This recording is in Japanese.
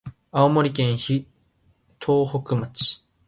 青森県東北町